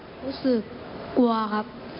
รู้สึกกลัวครับ